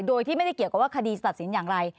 โดยที่ไม่ได้เกี่ยวกับว่าคดีจะตัดสินอย่างไร